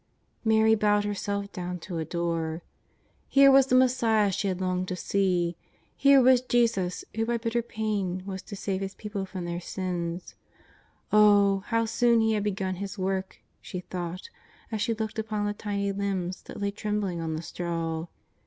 Mary bowed herself down to adore. Here was the Messiah she had so longed to see. Here was Jesus who by bitter pain was to save His people from their sins. Oh, how soon He had begun His work, she thought, as she looked upon the tiny limbs that lay trembling on the straw.